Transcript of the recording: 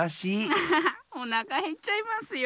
アハハッおなかへっちゃいますよ。